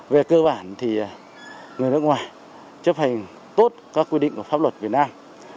về cơ bản thì người nước ngoài chấp hành tốt các quy định của pháp luật việt nam